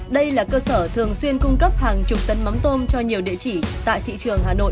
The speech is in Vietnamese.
đây là cơ sở thường xuyên cung cấp hàng chục tấn mắm tôm cho nhiều địa chỉ tại thị trường hà nội